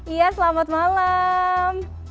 iya selamat malam